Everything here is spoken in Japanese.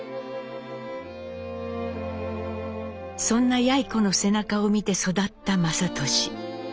そんなやい子の背中を見て育った雅俊。